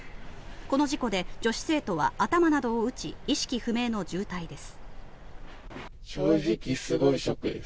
この事故で女子生徒は頭などを打ち意識不明の重体です。